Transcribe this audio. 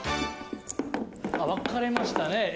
分かれましたね